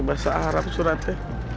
bahasa arab suratnya